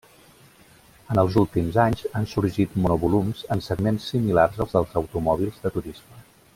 En els últims anys han sorgit monovolums en segments similars als dels automòbils de turisme.